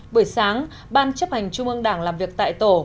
buổi sáng ban chấp hành trung ương đảng làm việc tại tổ